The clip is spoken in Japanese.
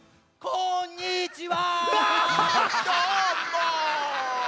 こんにちは！